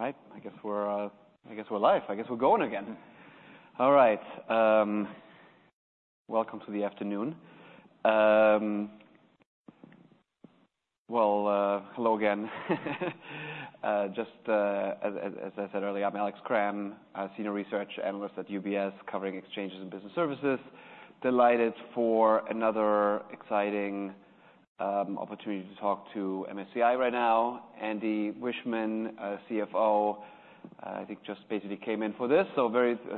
All right. I guess we're live. I guess we're going again. All right. Welcome to the afternoon. Well, hello again. Just as I said earlier, I'm Alex Kramm, Senior Research Analyst at UBS covering exchanges and business services. Delighted for another exciting opportunity to talk to MSCI right now. Andy Wiechmann, CFO, I think just basically came in for this. So,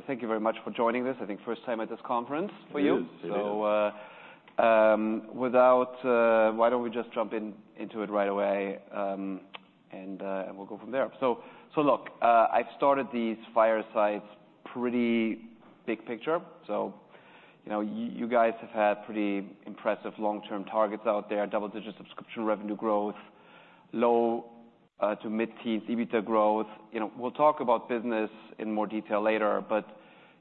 thank you very much for joining this. I think first time at this conference for you. It is, it is. So, why don't we just jump into it right away, and we'll go from there. So, look, I've started these fireside pretty big picture. So, you know, you guys have had pretty impressive long-term targets out there: double-digit subscription revenue growth, low- to mid-teens EBITDA growth. You know, we'll talk about business in more detail later. But,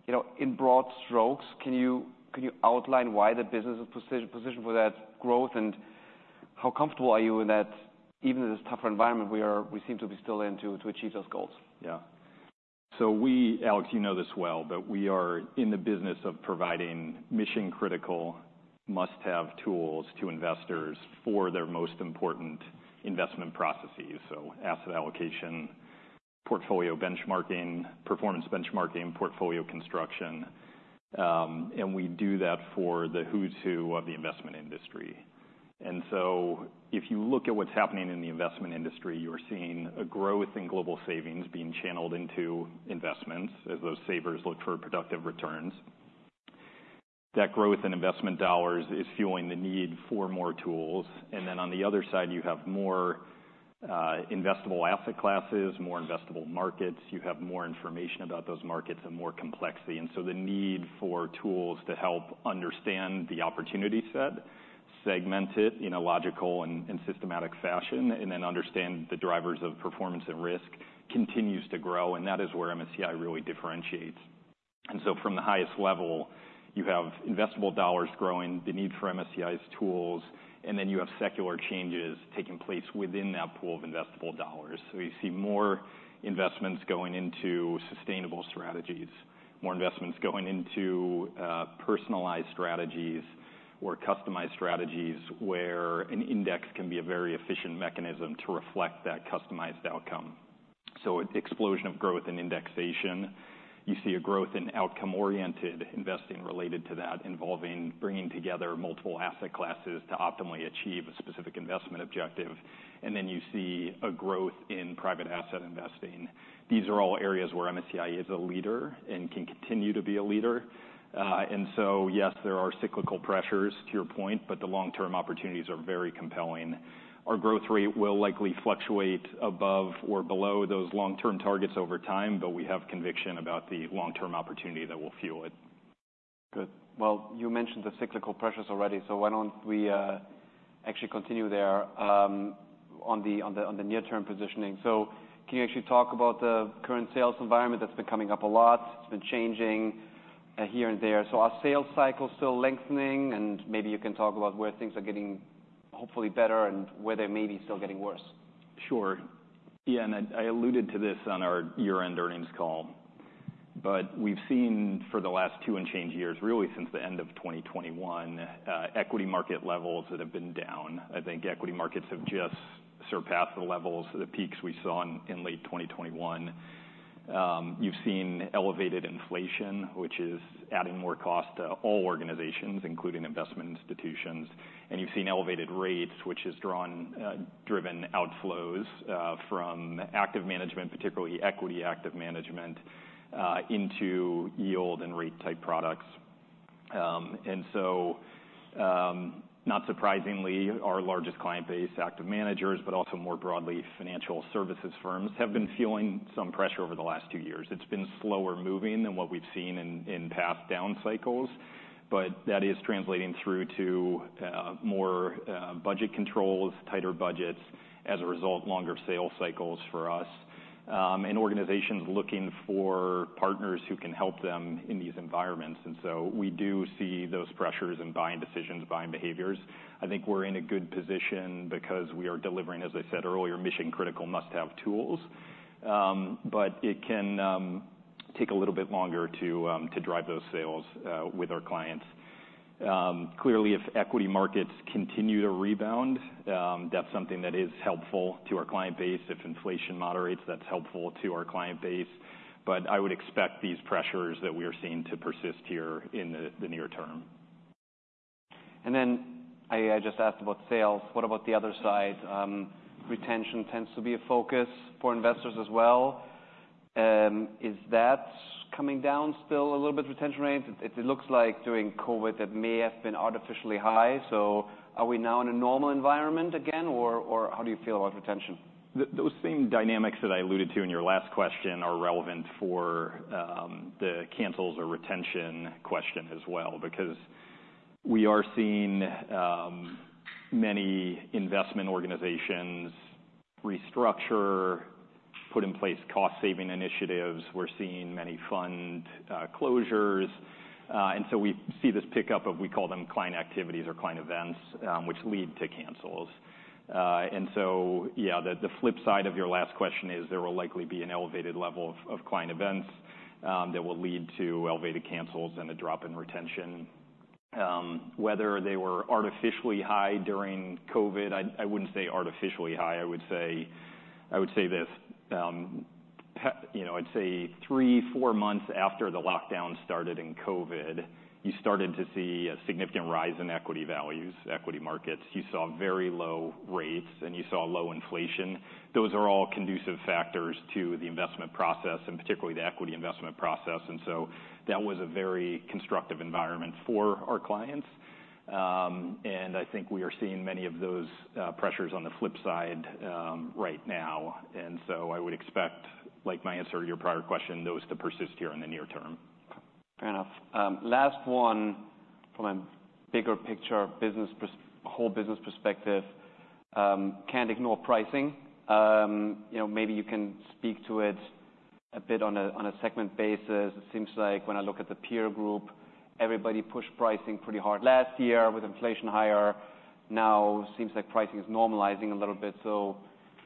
you know, in broad strokes, can you outline why the business is positioned for that growth and how comfortable are you in that, even in this tougher environment we seem to be still in, to achieve those goals? Yeah. So we, Alex, you know this well, but we are in the business of providing mission-critical, must-have tools to investors for their most important investment processes. So asset allocation, portfolio benchmarking, performance benchmarking, portfolio construction. And we do that for the who's who of the investment industry. And so if you look at what's happening in the investment industry, you're seeing a growth in global savings being channeled into investments as those savers look for productive returns. That growth in investment dollars is fueling the need for more tools. And then on the other side, you have more, investable asset classes, more investable markets. You have more information about those markets and more complexity. And so the need for tools to help understand the opportunity set, segment it in a logical and systematic fashion, and then understand the drivers of performance and risk continues to grow. And that is where MSCI really differentiates. So from the highest level, you have investable dollars growing, the need for MSCI's tools, and then you have secular changes taking place within that pool of investable dollars. So you see more investments going into sustainable strategies, more investments going into personalized strategies or customized strategies where an index can be a very efficient mechanism to reflect that customized outcome. So an explosion of growth in indexation. You see a growth in outcome-oriented investing related to that, involving bringing together multiple asset classes to optimally achieve a specific investment objective. And then you see a growth in private asset investing. These are all areas where MSCI is a leader and can continue to be a leader. And so, yes, there are cyclical pressures, to your point, but the long-term opportunities are very compelling. Our growth rate will likely fluctuate above or below those long-term targets over time, but we have conviction about the long-term opportunity that will fuel it. Good. Well, you mentioned the cyclical pressures already. So why don't we, actually continue there, on the near-term positioning. So can you actually talk about the current sales environment that's been coming up a lot? It's been changing, here and there. So are sales cycles still lengthening? And maybe you can talk about where things are getting, hopefully, better and where they're maybe still getting worse. Sure. Yeah, and I, I alluded to this on our year-end earnings call. But we've seen for the last two and change years, really since the end of 2021, equity market levels that have been down. I think equity markets have just surpassed the levels, the peaks we saw in, in late 2021. You've seen elevated inflation, which is adding more cost to all organizations, including investment institutions. And you've seen elevated rates, which has drawn, driven outflows, from active management, particularly equity active management, into yield and rate-type products. And so, not surprisingly, our largest client base, active managers, but also more broadly financial services firms, have been feeling some pressure over the last two years. It's been slower moving than what we've seen in, in past down cycles. But that is translating through to more budget controls, tighter budgets, as a result, longer sales cycles for us, and organizations looking for partners who can help them in these environments. And so we do see those pressures in buying decisions, buying behaviors. I think we're in a good position because we are delivering, as I said earlier, mission-critical, must-have tools. But it can take a little bit longer to drive those sales with our clients. Clearly, if equity markets continue to rebound, that's something that is helpful to our client base. If inflation moderates, that's helpful to our client base. But I would expect these pressures that we are seeing to persist here in the near term. And then I just asked about sales. What about the other side? Retention tends to be a focus for investors as well. Is that coming down still a little bit, retention rates? It looks like during COVID that may have been artificially high. So are we now in a normal environment again? Or how do you feel about retention? Those same dynamics that I alluded to in your last question are relevant for the cancels or retention question as well. Because we are seeing many investment organizations restructure, put in place cost-saving initiatives. We're seeing many fund closures. And so we see this pickup of, we call them, client activities or client events, which lead to cancels. And so, yeah, the flip side of your last question is there will likely be an elevated level of client events that will lead to elevated cancels and a drop in retention. Whether they were artificially high during COVID, I wouldn't say artificially high. I would say this. You know, I'd say three, four months after the lockdown started in COVID, you started to see a significant rise in equity values, equity markets. You saw very low rates, and you saw low inflation. Those are all conducive factors to the investment process, and particularly the equity investment process. And so that was a very constructive environment for our clients. And I think we are seeing many of those pressures on the flip side, right now. And so I would expect, like my answer to your prior question, those to persist here in the near term. Fair enough. Last one from a bigger picture, business perspective, whole business perspective, can't ignore pricing. You know, maybe you can speak to it a bit on a segment basis. It seems like, when I look at the peer group, everybody pushed pricing pretty hard last year with inflation higher. Now it seems like pricing is normalizing a little bit. So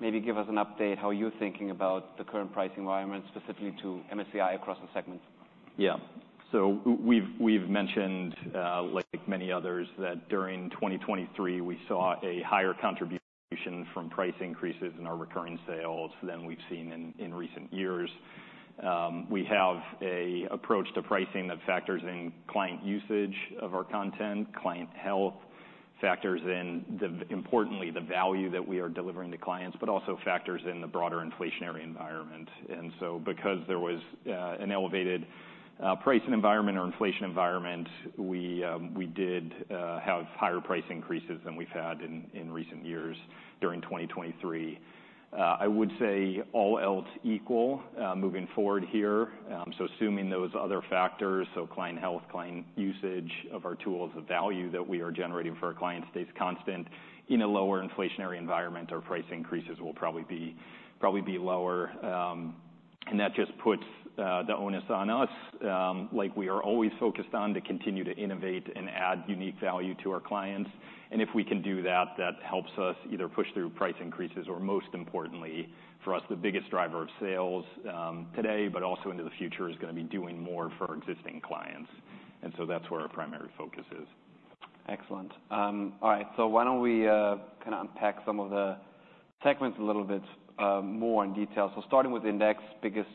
maybe give us an update how you're thinking about the current pricing environment, specifically to MSCI across the segment. Yeah. So we've mentioned, like many others, that during 2023, we saw a higher contribution from price increases in our recurring sales than we've seen in recent years. We have an approach to pricing that factors in client usage of our content, client health, factors in, importantly, the value that we are delivering to clients, but also factors in the broader inflationary environment. And so because there was an elevated pricing environment or inflation environment, we did have higher price increases than we've had in recent years during 2023. I would say all else equal, moving forward here. So assuming those other factors, client health, client usage of our tools, the value that we are generating for our clients stays constant, in a lower inflationary environment, our price increases will probably be lower. And that just puts the onus on us. Like, we are always focused on to continue to innovate and add unique value to our clients. And if we can do that, that helps us either push through price increases or, most importantly, for us, the biggest driver of sales, today, but also into the future, is going to be doing more for existing clients. And so that's where our primary focus is. Excellent. All right. So why don't we kind of unpack some of the segments a little bit more in detail? So starting with Index, biggest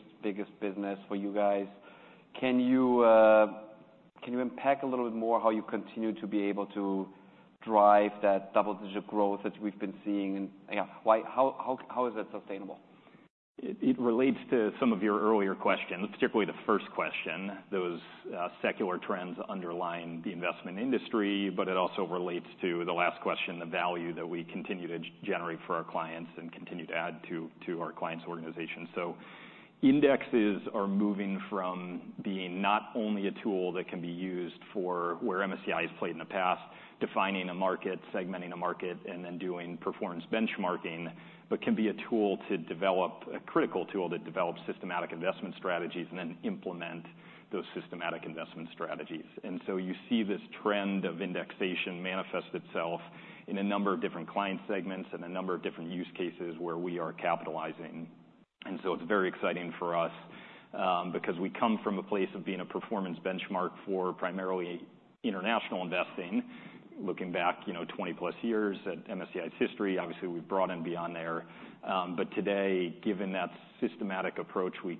business for you guys. Can you unpack a little bit more how you continue to be able to drive that double-digit growth that we've been seeing? And, yeah, why, how is that sustainable? It relates to some of your earlier questions, particularly the first question. Those secular trends underline the investment industry. But it also relates to the last question, the value that we continue to generate for our clients and continue to add to our clients' organizations. So indexes are moving from being not only a tool that can be used for where MSCI has played in the past, defining a market, segmenting a market, and then doing performance benchmarking, but can be a tool to develop a critical tool that develops systematic investment strategies and then implement those systematic investment strategies. And so you see this trend of indexation manifest itself in a number of different client segments and a number of different use cases where we are capitalizing. It's very exciting for us, because we come from a place of being a performance benchmark for primarily international investing, looking back, you know, 20+ years at MSCI's history. Obviously, we've broadened beyond there. But today, given that systematic approach we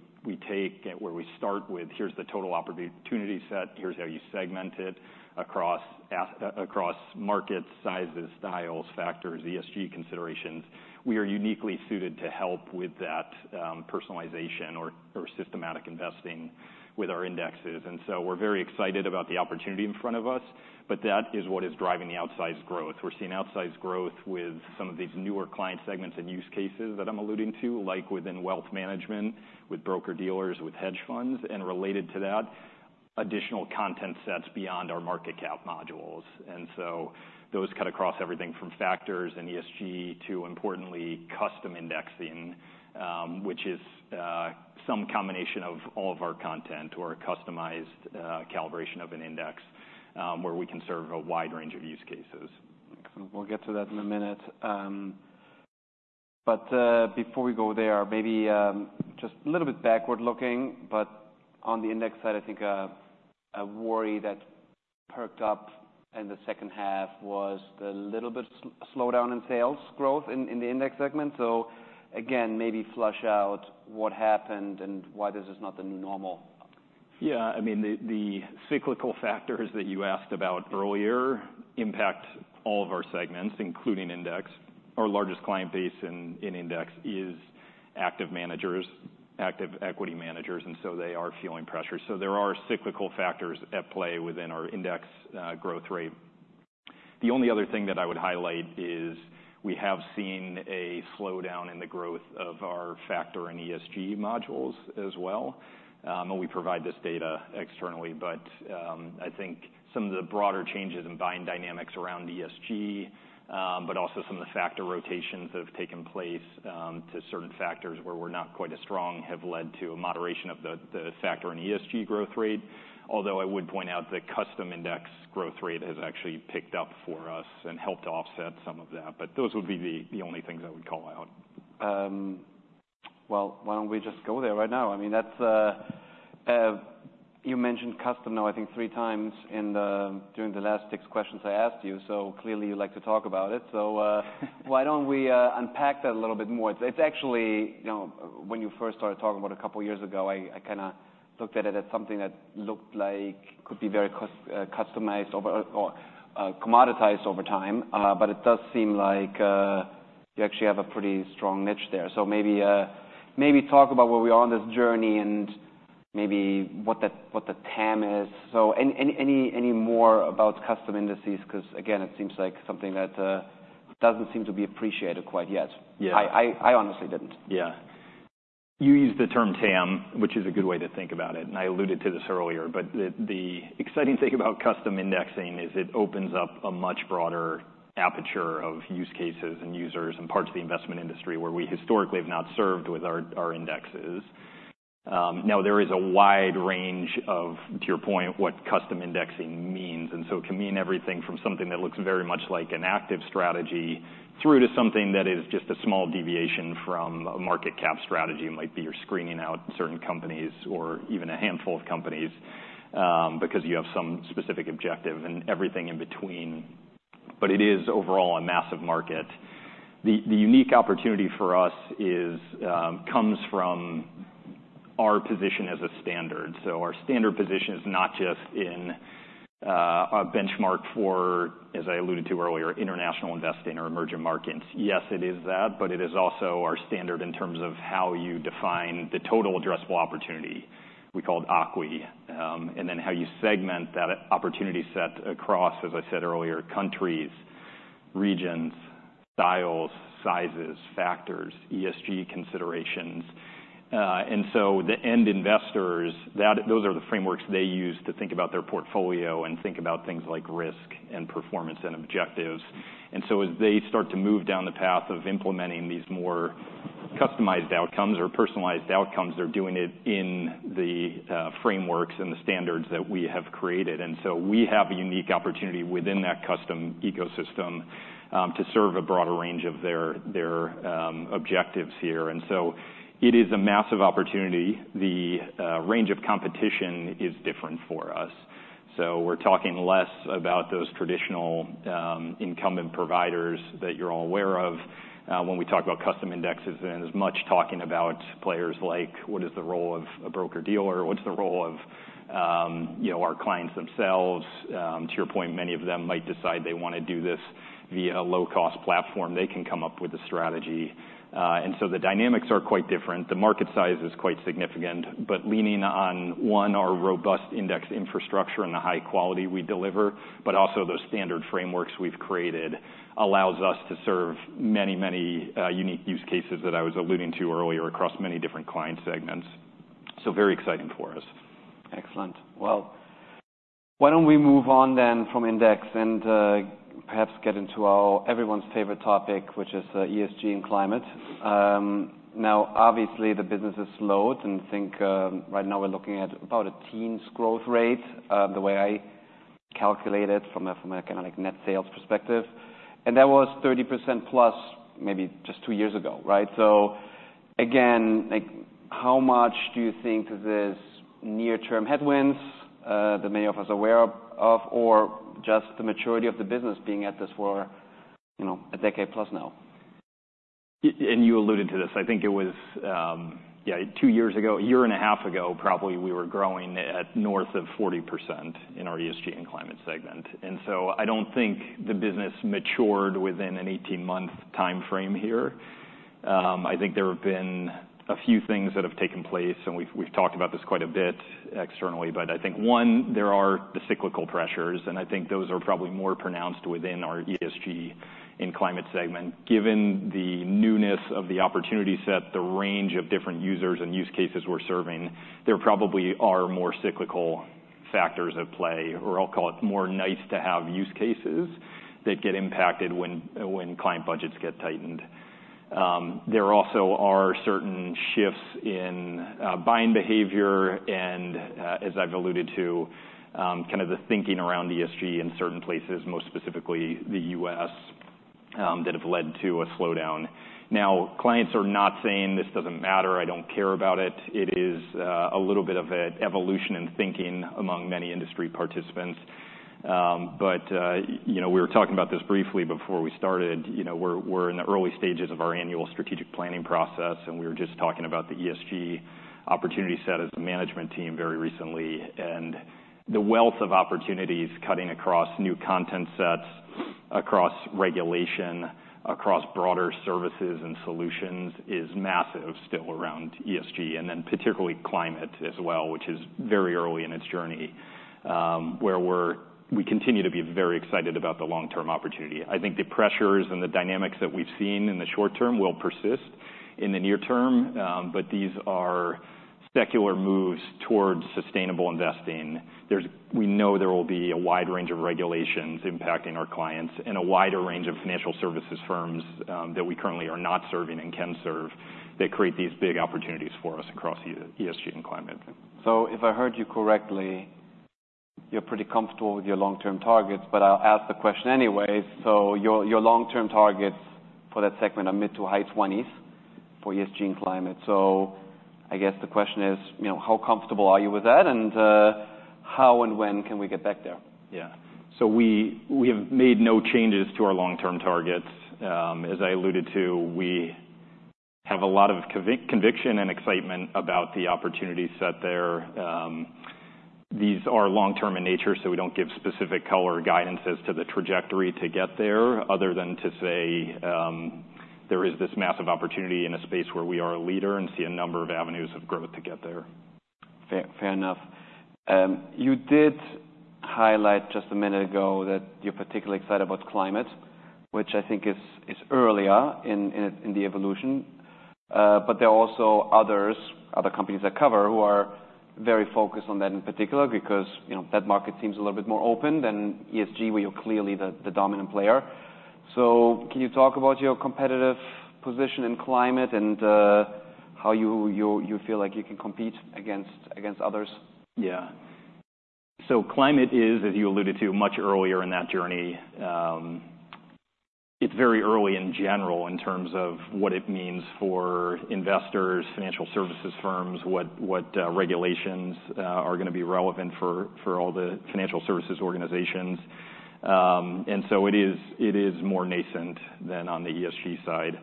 take, where we start with, here's the total opportunity set, here's how you segment it across assets across markets, sizes, styles, factors, ESG considerations, we are uniquely suited to help with that, personalization or systematic investing with our indexes. We're very excited about the opportunity in front of us. But that is what is driving the outsized growth. We're seeing outsized growth with some of these newer client segments and use cases that I'm alluding to, like within wealth management, with broker-dealers, with hedge funds, and related to that, additional content sets beyond our market cap modules. And so those cut across everything from factors and ESG to, importantly, custom indexing, which is, some combination of all of our content or a customized, calibration of an index, where we can serve a wide range of use cases. Excellent. We'll get to that in a minute. But before we go there, maybe just a little bit backward-looking. But on the index side, I think a worry that perked up in the second half was the little bit of slowdown in sales growth in the index segment. So, again, maybe flush out what happened and why this is not the new normal. Yeah. I mean, the cyclical factors that you asked about earlier impact all of our segments, including index. Our largest client base in index is active managers, active equity managers. And so they are feeling pressure. So there are cyclical factors at play within our index growth rate. The only other thing that I would highlight is we have seen a slowdown in the growth of our factor and ESG modules as well. And we provide this data externally. But, I think some of the broader changes in buying dynamics around ESG, but also some of the factor rotations that have taken place, to certain factors where we're not quite as strong, have led to a moderation of the factor and ESG growth rate. Although I would point out the custom index growth rate has actually picked up for us and helped offset some of that. But those would be the only things I would call out. Well, why don't we just go there right now? I mean, that's, you mentioned custom now, I think, three times in the during the last six questions I asked you. So clearly, you like to talk about it. So, why don't we unpack that a little bit more? It's, it's actually, you know, when you first started talking about it a couple of years ago, I, I kind of looked at it as something that looked like could be very customized over or, commoditized over time. But it does seem like, you actually have a pretty strong niche there. So maybe, maybe talk about where we are on this journey and maybe what that what the TAM is. So any, any, any, any more about custom indices? Because, again, it seems like something that, doesn't seem to be appreciated quite yet. Yeah. I honestly didn't. Yeah. You used the term TAM, which is a good way to think about it. And I alluded to this earlier. But the exciting thing about custom indexing is it opens up a much broader aperture of use cases and users and parts of the investment industry where we historically have not served with our indexes. Now, there is a wide range of, to your point, what custom indexing means. And so it can mean everything from something that looks very much like an active strategy through to something that is just a small deviation from a market cap strategy. It might be you're screening out certain companies or even a handful of companies, because you have some specific objective and everything in between. But it is, overall, a massive market. The unique opportunity for us comes from our position as a standard. So our standard position is not just in a benchmark for, as I alluded to earlier, international investing or emerging markets. Yes, it is that. But it is also our standard in terms of how you define the total addressable opportunity, we call it ACWE, and then how you segment that opportunity set across, as I said earlier, countries, regions, styles, sizes, factors, ESG considerations. And so the end investors, that those are the frameworks they use to think about their portfolio and think about things like risk and performance and objectives. And so as they start to move down the path of implementing these more customized outcomes or personalized outcomes, they're doing it in the frameworks and the standards that we have created. And so we have a unique opportunity within that custom ecosystem, to serve a broader range of their, their, objectives here. It is a massive opportunity. The range of competition is different for us. We're talking less about those traditional, incumbent providers that you're all aware of. When we talk about custom indexes, then there's much talking about players like, what is the role of a broker-dealer? What's the role of, you know, our clients themselves? To your point, many of them might decide they want to do this via a low-cost platform. They can come up with a strategy. The dynamics are quite different. The market size is quite significant. Leaning on one, our robust index infrastructure and the high quality we deliver, but also those standard frameworks we've created, allows us to serve many, many, unique use cases that I was alluding to earlier across many different client segments. Very exciting for us. Excellent. Well, why don't we move on then from index and, perhaps get into our everyone's favorite topic, which is, ESG and climate? Now, obviously, the business is slowed. And I think, right now, we're looking at about a teens growth rate, the way I calculate it from a kind of, like, net sales perspective. And that was 30% plus maybe just two years ago, right? So, again, like, how much do you think this near-term headwinds, that many of us are aware of, or just the maturity of the business being at this for, you know, a decade-plus now? Yeah, and you alluded to this. I think it was, yeah, two years ago, a year and a half ago, probably, we were growing at north of 40% in our ESG and climate segment. And so I don't think the business matured within an 18-month time frame here. I think there have been a few things that have taken place. And we've, we've talked about this quite a bit externally. But I think, one, there are the cyclical pressures. And I think those are probably more pronounced within our ESG and climate segment. Given the newness of the opportunity set, the range of different users and use cases we're serving, there probably are more cyclical factors at play. Or I'll call it more nice-to-have use cases that get impacted when, when client budgets get tightened. There also are certain shifts in buying behavior and, as I've alluded to, kind of the thinking around ESG in certain places, most specifically the U.S., that have led to a slowdown. Now, clients are not saying, "This doesn't matter. I don't care about it." It is a little bit of an evolution in thinking among many industry participants. But, you know, we were talking about this briefly before we started. You know, we're in the early stages of our annual strategic planning process. And we were just talking about the ESG opportunity set as a management team very recently. And the wealth of opportunities cutting across new content sets, across regulation, across broader services and solutions is massive still around ESG and then particularly climate as well, which is very early in its journey, where we continue to be very excited about the long-term opportunity. I think the pressures and the dynamics that we've seen in the short term will persist in the near term. But these are secular moves towards sustainable investing. There, we know, there will be a wide range of regulations impacting our clients and a wider range of financial services firms, that we currently are not serving and can serve that create these big opportunities for us across ESG and climate. So if I heard you correctly, you're pretty comfortable with your long-term targets. But I'll ask the question anyways. So your long-term targets for that segment are mid- to high-20s for ESG and climate. So I guess the question is, you know, how comfortable are you with that? And, how and when can we get back there? Yeah. So we, we have made no changes to our long-term targets. As I alluded to, we have a lot of conviction and excitement about the opportunity set there. These are long-term in nature. So we don't give specific color guidances to the trajectory to get there other than to say, there is this massive opportunity in a space where we are a leader and see a number of avenues of growth to get there. Fair, fair enough. You did highlight just a minute ago that you're particularly excited about climate, which I think is earlier in its evolution. But there are also other companies I cover who are very focused on that in particular because, you know, that market seems a little bit more open than ESG, where you're clearly the dominant player. So can you talk about your competitive position in climate and how you feel like you can compete against others? Yeah. So climate is, as you alluded to, much earlier in that journey. It's very early in general in terms of what it means for investors, financial services firms, what, what, regulations, are going to be relevant for, for all the financial services organizations. And so it is it is more nascent than on the ESG side.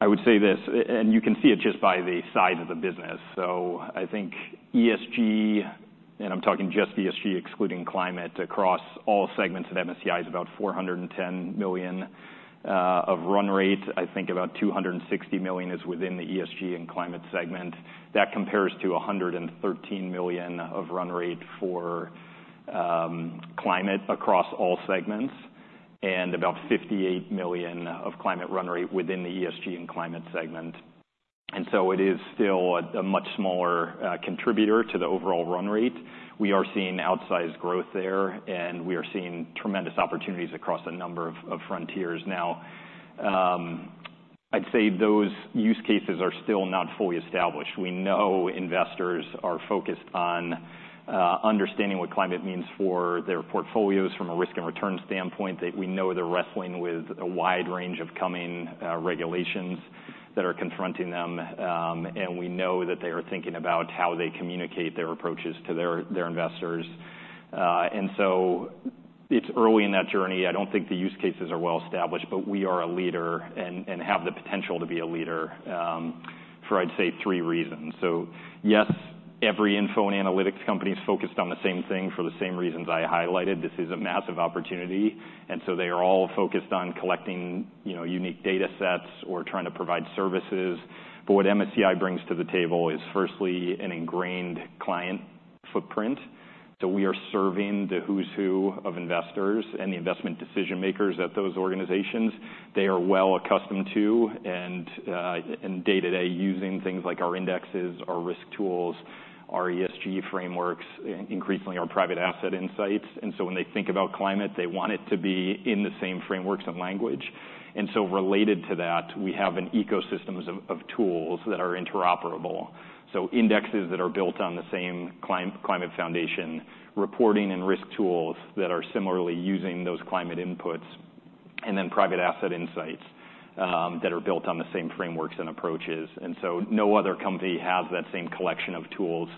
I would say this. And you can see it just by the size of the business. So I think ESG and I'm talking just ESG excluding climate across all segments of MSCI is about $410 million of run rate. I think about $260 million is within the ESG and climate segment. That compares to $113 million of run rate for climate across all segments and about $58 million of climate run rate within the ESG and climate segment. And so it is still a much smaller contributor to the overall run rate. We are seeing outsized growth there. We are seeing tremendous opportunities across a number of frontiers now. I'd say those use cases are still not fully established. We know investors are focused on understanding what climate means for their portfolios from a risk and return standpoint. We know they're wrestling with a wide range of coming regulations that are confronting them. We know that they are thinking about how they communicate their approaches to their investors. So it's early in that journey. I don't think the use cases are well established. But we are a leader and have the potential to be a leader, I'd say, for three reasons. So yes, every info and analytics company is focused on the same thing for the same reasons I highlighted. This is a massive opportunity. And so they are all focused on collecting, you know, unique data sets or trying to provide services. But what MSCI brings to the table is, firstly, an ingrained client footprint. So we are serving the who's who of investors and the investment decision makers at those organizations. They are well accustomed to and day to day using things like our indexes, our risk tools, our ESG frameworks, increasingly our private asset insights. And so when they think about climate, they want it to be in the same frameworks and language. And so related to that, we have an ecosystem of tools that are interoperable. So indexes that are built on the same climate foundation, reporting and risk tools that are similarly using those climate inputs, and then private asset insights that are built on the same frameworks and approaches. And so no other company has that same collection of tools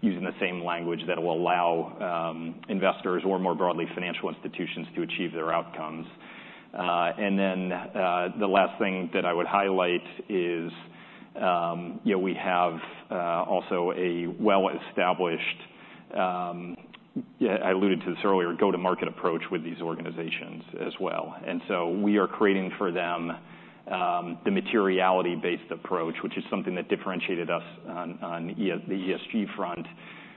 using the same language that will allow investors or, more broadly, financial institutions to achieve their outcomes. And then, the last thing that I would highlight is, you know, we have also a well-established, yeah, I alluded to this earlier, go-to-market approach with these organizations as well. And so we are creating for them the materiality-based approach, which is something that differentiated us on the ESG front,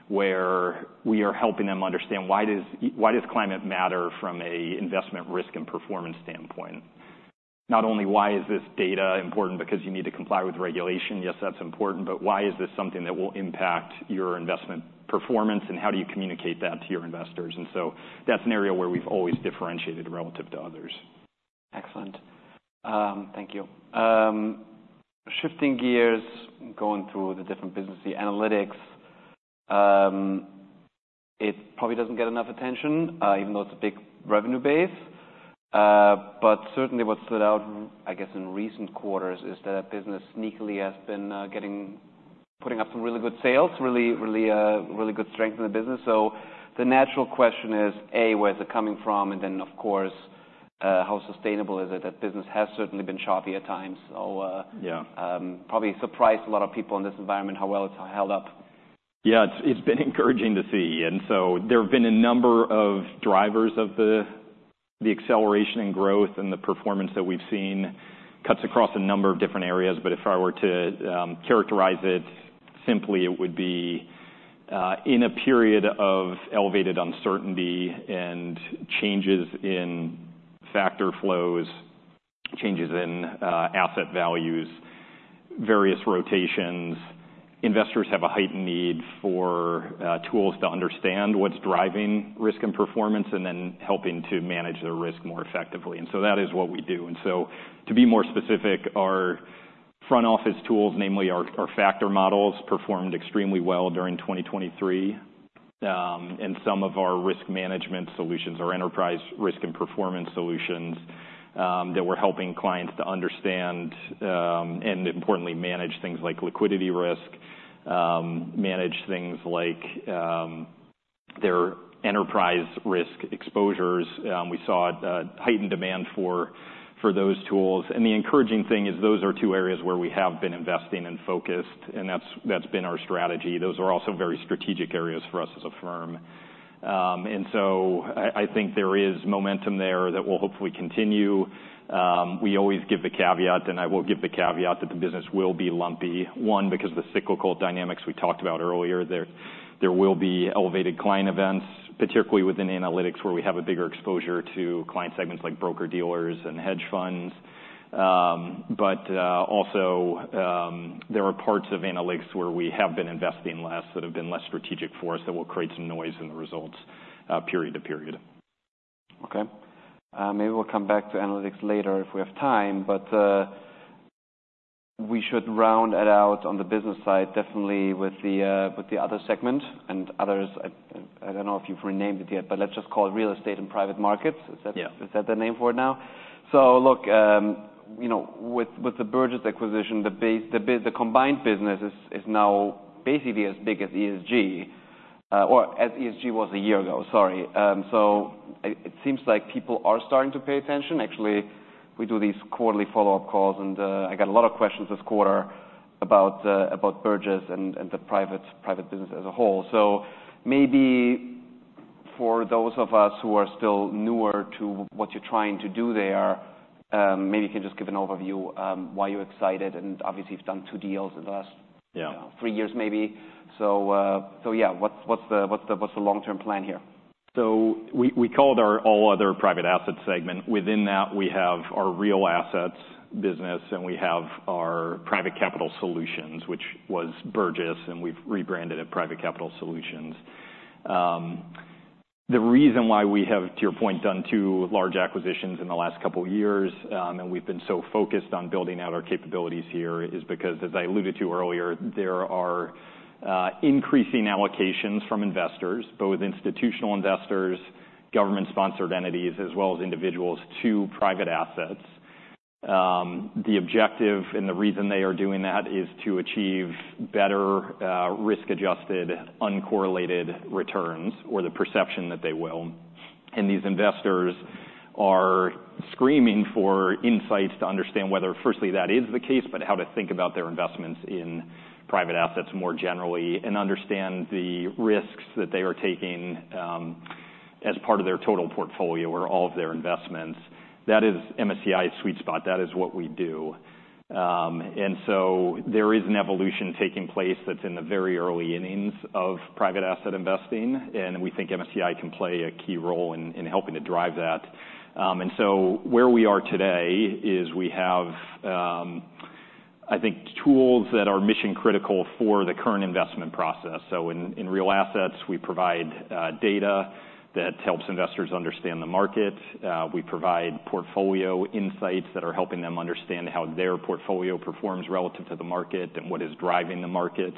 where we are helping them understand why does why does climate matter from an investment risk and performance standpoint? Not only why is this data important because you need to comply with regulation? Yes, that's important. But why is this something that will impact your investment performance? And how do you communicate that to your investors? And so that's an area where we've always differentiated relative to others. Excellent. Thank you. Shifting gears, going through the different business analytics, it probably doesn't get enough attention, even though it's a big revenue base. But certainly, what stood out, I guess, in recent quarters is that that business sneakily has been putting up some really good sales, really, really, really good strength in the business. So the natural question is, A, where is it coming from? And then, of course, how sustainable is it? That business has certainly been choppy at times. So, Yeah. Probably surprised a lot of people in this environment how well it's held up. Yeah. It's been encouraging to see. And so there have been a number of drivers of the acceleration and growth and the performance that we've seen, cuts across a number of different areas. But if I were to characterize it simply, it would be in a period of elevated uncertainty and changes in factor flows, changes in asset values, various rotations, investors have a heightened need for tools to understand what's driving risk and performance and then helping to manage their risk more effectively. And so that is what we do. And so, to be more specific, our front office tools, namely our factor models, performed extremely well during 2023. And some of our risk management solutions, our enterprise risk and performance solutions, that we're helping clients to understand, and importantly, manage things like liquidity risk, manage things like their enterprise risk exposures. We saw a heightened demand for those tools. And the encouraging thing is those are two areas where we have been investing and focused. And that's been our strategy. Those are also very strategic areas for us as a firm. And so I think there is momentum there that will hopefully continue. We always give the caveat, and I will give the caveat that the business will be lumpy. One, because of the cyclical dynamics we talked about earlier, there will be elevated client events, particularly within analytics where we have a bigger exposure to client segments like broker-dealers and hedge funds. But also, there are parts of analytics where we have been investing less that have been less strategic for us that will create some noise in the results, period to period. Okay. Maybe we'll come back to analytics later if we have time. But we should round it out on the business side, definitely, with the other segment. And others, I don't know if you've renamed it yet. But let's just call it real estate and private markets. Is that? Yeah. Is that the name for it now? So look, you know, with the Burgiss acquisition, the combined business is now basically as big as ESG, or as ESG was a year ago. Sorry. So it seems like people are starting to pay attention. Actually, we do these quarterly follow-up calls. And I got a lot of questions this quarter about Burgiss and the private business as a whole. So maybe for those of us who are still newer to what you're trying to do there, maybe you can just give an overview, why you're excited. And obviously, you've done two deals in the last. Yeah. Three years maybe. So yeah. What's the long-term plan here? So we called our All Other Private Assets segment. Within that, we have our Real Assets business. We have our Private Capital Solutions, which was Burgiss. We've rebranded it Private Capital Solutions. The reason why we have, to your point, done two large acquisitions in the last couple of years, and we've been so focused on building out our capabilities here is because, as I alluded to earlier, there are increasing allocations from investors, both institutional investors, government-sponsored entities, as well as individuals to private assets. The objective and the reason they are doing that is to achieve better, risk-adjusted, uncorrelated returns or the perception that they will. These investors are screaming for insights to understand whether, firstly, that is the case, but how to think about their investments in private assets more generally and understand the risks that they are taking, as part of their total portfolio or all of their investments. That is MSCI's sweet spot. That is what we do. So there is an evolution taking place that's in the very early innings of private asset investing. We think MSCI can play a key role in helping to drive that. So where we are today is we have, I think, tools that are mission-critical for the current investment process. In real assets, we provide data that helps investors understand the market. We provide portfolio insights that are helping them understand how their portfolio performs relative to the market and what is driving the market.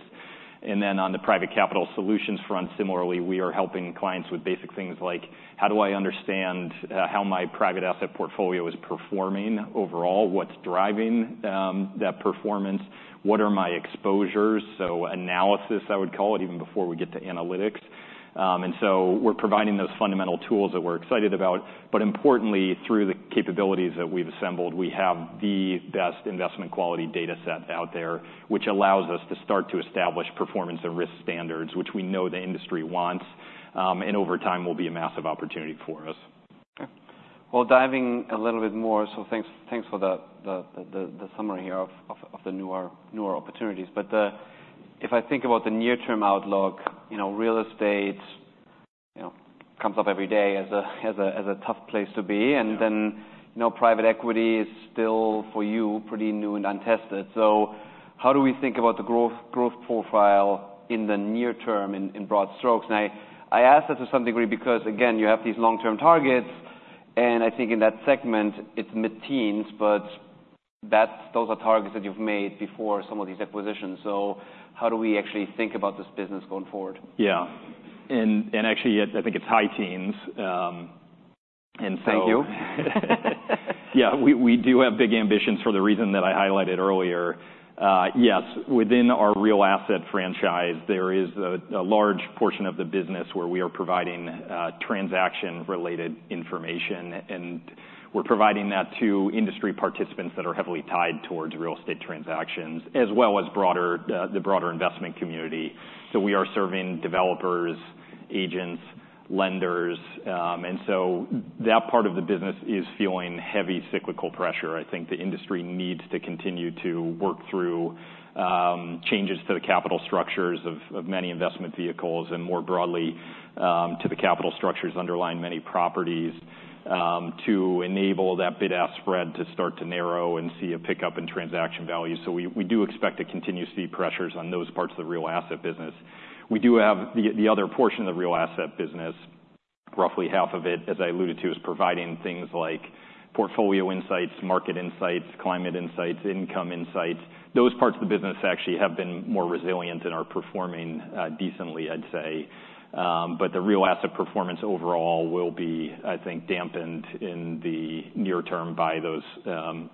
And then, on the Private Capital Solutions front, similarly, we are helping clients with basic things like, how do I understand how my private asset portfolio is performing overall? What's driving that performance? What are my exposures? So analysis, I would call it, even before we get to analytics. And so we're providing those fundamental tools that we're excited about. But importantly, through the capabilities that we've assembled, we have the best investment quality data set out there, which allows us to start to establish performance and risk standards, which we know the industry wants. And over time, will be a massive opportunity for us. OK. Well, diving a little bit more. So thanks for the summary here of the newer opportunities. But if I think about the near-term outlook, you know, real estate, you know, comes up every day as a tough place to be. And then, you know, private equity is still, for you, pretty new and untested. So how do we think about the growth profile in the near term, in broad strokes? And I ask that to some degree because, again, you have these long-term targets. And I think in that segment, it's mid-teens. But those are targets that you've made before some of these acquisitions. So how do we actually think about this business going forward? Yeah. Actually, I think it's high-teens. And so. Thank you. Yeah. We do have big ambitions for the reason that I highlighted earlier. Yes, within our real asset franchise, there is a large portion of the business where we are providing transaction-related information. We're providing that to industry participants that are heavily tied towards real estate transactions, as well as the broader investment community. So we are serving developers, agents, lenders. And so that part of the business is feeling heavy cyclical pressure. I think the industry needs to continue to work through changes to the capital structures of many investment vehicles and, more broadly, to the capital structures underlying many properties, to enable that bid-ask spread to start to narrow and see a pickup in transaction value. So we do expect to continue to see pressures on those parts of the real asset business. We do have the other portion of the real asset business, roughly half of it, as I alluded to, is providing things like portfolio insights, market insights, climate insights, income insights. Those parts of the business actually have been more resilient and are performing decently, I'd say. But the real asset performance overall will be, I think, dampened in the near term by those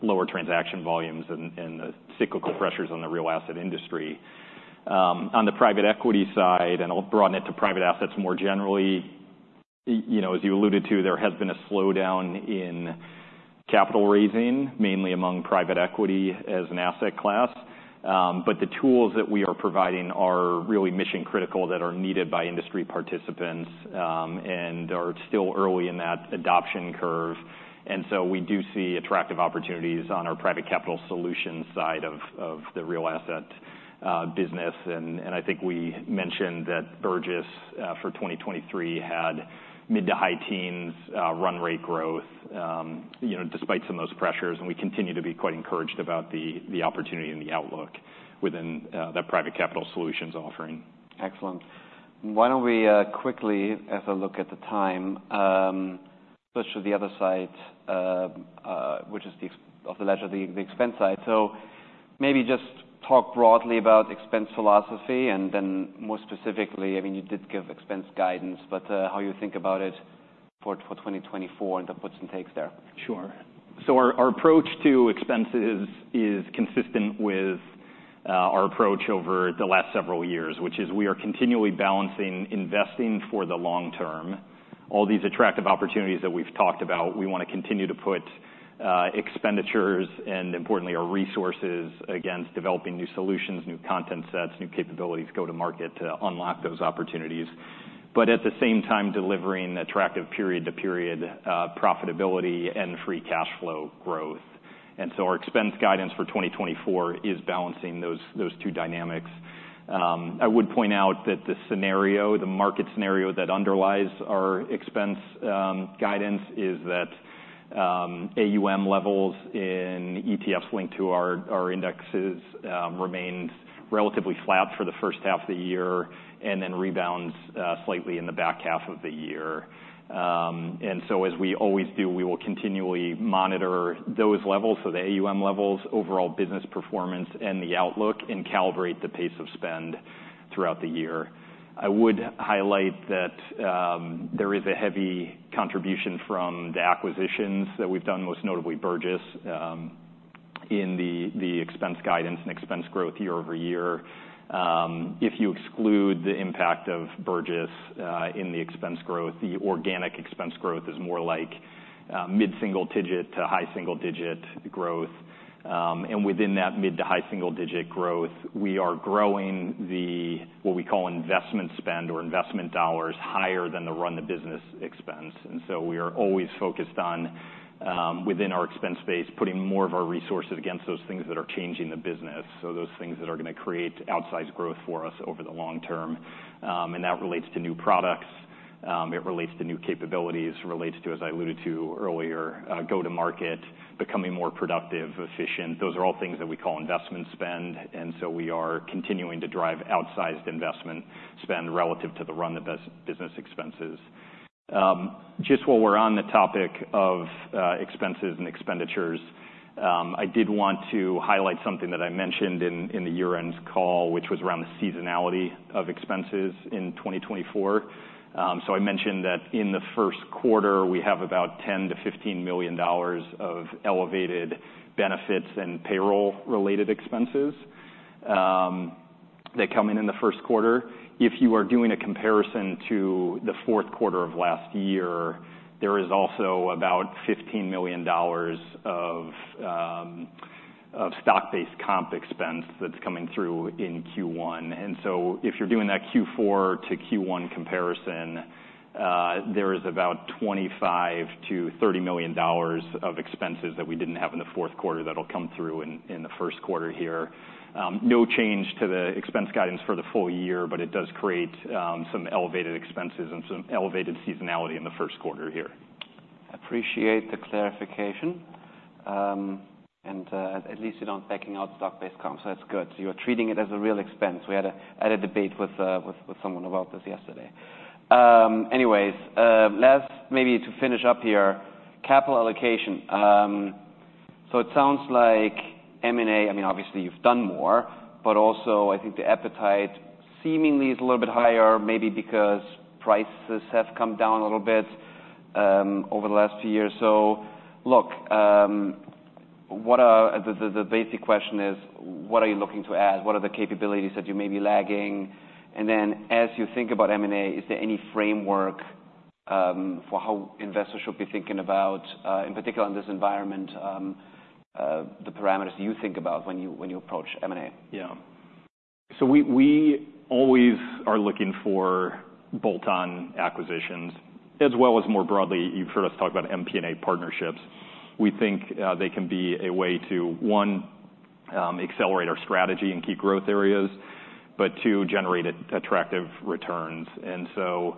lower transaction volumes and the cyclical pressures on the real asset industry. On the private equity side, and I'll broaden it to private assets more generally, you know, as you alluded to, there has been a slowdown in capital raising, mainly among private equity as an asset class. But the tools that we are providing are really mission-critical that are needed by industry participants, and are still early in that adoption curve. So we do see attractive opportunities on our Private Capital Solutions side of the real asset business. I think we mentioned that Burgiss for 2023 had mid- to high-teens run-rate growth, you know, despite some of those pressures. We continue to be quite encouraged about the opportunity and the outlook within that Private Capital Solutions offering. Excellent. Why don't we, quickly, as a look at the time, switch to the other side of the ledger, the expense side? So maybe just talk broadly about expense philosophy. And then more specifically, I mean, you did give expense guidance. But how you think about it for 2024 and the puts and takes there? Sure. So our approach to expense is consistent with our approach over the last several years, which is we are continually balancing investing for the long term. All these attractive opportunities that we've talked about, we want to continue to put expenditures and, importantly, our resources against developing new solutions, new content sets, new capabilities, go-to-market to unlock those opportunities, but at the same time delivering attractive period-to-period profitability and free cash flow growth. And so our expense guidance for 2024 is balancing those two dynamics. I would point out that the scenario, the market scenario that underlies our expense guidance is that AUM levels in ETFs linked to our indexes remained relatively flat for the first half of the year and then rebounds slightly in the back half of the year. So, as we always do, we will continually monitor those levels, so the AUM levels, overall business performance and the outlook, and calibrate the pace of spend throughout the year. I would highlight that there is a heavy contribution from the acquisitions that we've done, most notably Burgiss, in the expense guidance and expense growth year-over-year. If you exclude the impact of Burgiss in the expense growth, the organic expense growth is more like mid-single digit to high-single digit growth. And within that mid- to high-single digit growth, we are growing what we call investment spend or investment dollars higher than the run-the-business expense. So we are always focused on, within our expense base, putting more of our resources against those things that are changing the business, so those things that are going to create outsized growth for us over the long term. That relates to new products. It relates to new capabilities. It relates to, as I alluded to earlier, go-to-market, becoming more productive, efficient. Those are all things that we call investment spend. And so we are continuing to drive outsized investment spend relative to the run-the-business expenses. Just while we're on the topic of expenses and expenditures, I did want to highlight something that I mentioned in the year-end call, which was around the seasonality of expenses in 2024. So I mentioned that in the first quarter, we have about $10-$15 million of elevated benefits and payroll-related expenses that come in in the first quarter. If you are doing a comparison to the fourth quarter of last year, there is also about $15 million of stock-based comp expense that's coming through in Q1. And so if you're doing that Q4 to Q1 comparison, there is about $25-$30 million of expenses that we didn't have in the fourth quarter that'll come through in the first quarter here. No change to the expense guidance for the full year. But it does create some elevated expenses and some elevated seasonality in the first quarter here. I appreciate the clarification. At least you're not backing out stock-based comp. That's good. You're treating it as a real expense. We had a debate with someone about this yesterday. Anyway, last, maybe to finish up here, capital allocation. It sounds like M&A. I mean, obviously, you've done more. But also, I think the appetite seemingly is a little bit higher, maybe because prices have come down a little bit over the last few years. Look, what are the basic question is, what are you looking to add? What are the capabilities that you may be lagging? And then as you think about M&A, is there any framework for how investors should be thinking about, in particular in this environment, the parameters you think about when you approach M&A? Yeah. So we always are looking for bolt-on acquisitions, as well as, more broadly, you've heard us talk about M&A partnerships. We think they can be a way to, one, accelerate our strategy and keep growth areas, but two, generate attractive returns. And so,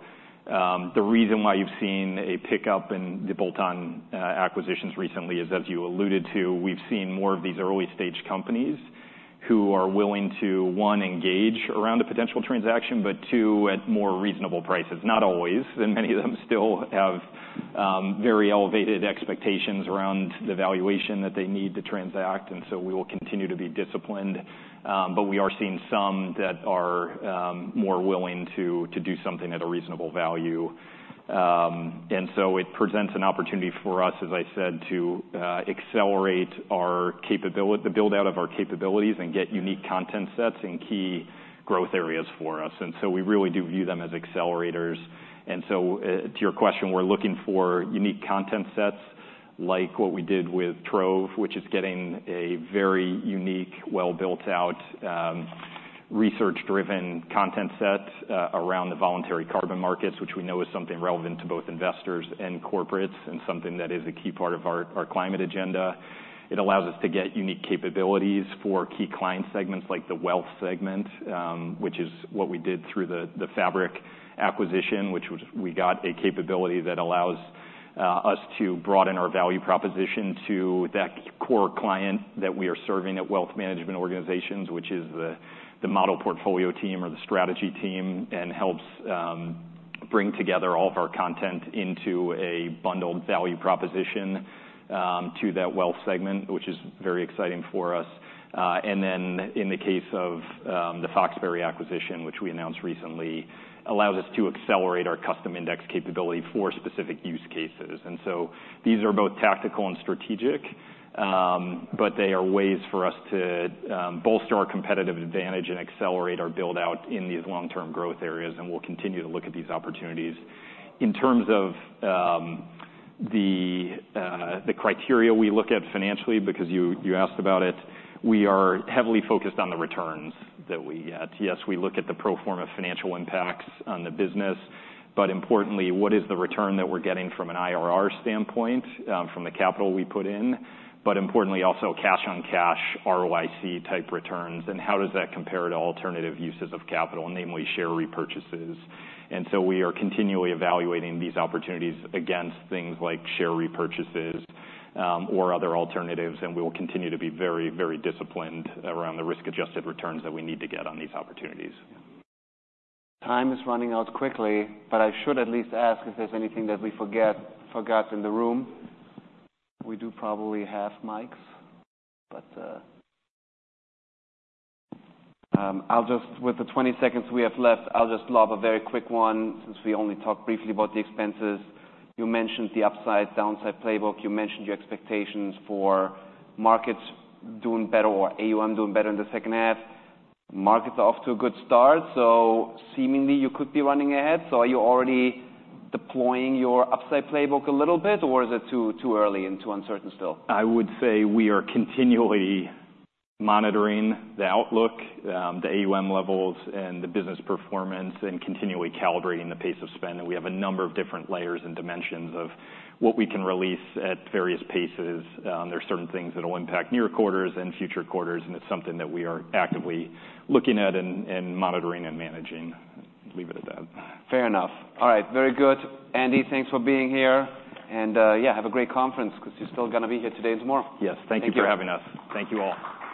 the reason why you've seen a pickup in the bolt-on acquisitions recently is, as you alluded to, we've seen more of these early-stage companies who are willing to, one, engage around a potential transaction, but two, at more reasonable prices. Not always. And many of them still have very elevated expectations around the valuation that they need to transact. And so we will continue to be disciplined. But we are seeing some that are more willing to do something at a reasonable value. and so it presents an opportunity for us, as I said, to accelerate the build-out of our capabilities and get unique content sets in key growth areas for us. And so, to your question, we're looking for unique content sets, like what we did with Trove, which is getting a very unique, well-built-out, research-driven content set around the voluntary carbon markets, which we know is something relevant to both investors and corporates and something that is a key part of our climate agenda. It allows us to get unique capabilities for key client segments, like the wealth segment, which is what we did through the Fabric acquisition, which was we got a capability that allows us to broaden our value proposition to that core client that we are serving at wealth management organizations, which is the model portfolio team or the strategy team and helps bring together all of our content into a bundled value proposition to that wealth segment, which is very exciting for us. And then in the case of the Foxberry acquisition, which we announced recently, allows us to accelerate our custom index capability for specific use cases. And so these are both tactical and strategic. But they are ways for us to bolster our competitive advantage and accelerate our build-out in these long-term growth areas. And we'll continue to look at these opportunities. In terms of the criteria we look at financially because you asked about it, we are heavily focused on the returns that we get. Yes, we look at the pro forma financial impacts on the business. But importantly, what is the return that we're getting from an IRR standpoint, from the capital we put in? But importantly, also cash-on-cash, ROIC-type returns. And how does that compare to alternative uses of capital, namely share repurchases? And so we are continually evaluating these opportunities against things like share repurchases, or other alternatives. And we will continue to be very, very disciplined around the risk-adjusted returns that we need to get on these opportunities. Time is running out quickly. But I should at least ask if there's anything that we forget in the room. We do probably have mics. But with the 20 seconds we have left, I'll just lob a very quick one since we only talked briefly about the expenses. You mentioned the upside/downside playbook. You mentioned your expectations for markets doing better or AUM doing better in the second half. Markets are off to a good start. So seemingly, you could be running ahead. So are you already deploying your upside playbook a little bit? Or is it too early and too uncertain still? I would say we are continually monitoring the outlook, the AUM levels and the business performance and continually calibrating the pace of spend. We have a number of different layers and dimensions of what we can release at various paces. There are certain things that'll impact near quarters and future quarters. It's something that we are actively looking at and, and monitoring and managing. Leave it at that. Fair enough. All right. Very good. Andy, thanks for being here. And, yeah, have a great conference because you're still going to be here today and tomorrow. Yes. Thank you for having us. Thank you all.